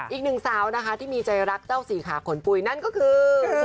อีกหนึ่งสาวนะคะที่มีใจรักเจ้าสี่ขาขนปุ๋ยนั่นก็คือ